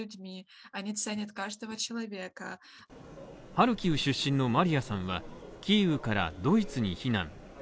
ハルキウ出身のマリアさんはキーウからドイツに避難。